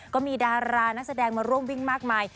ก็มีดารานักแสดงมาร่วมวิ่งมากมาย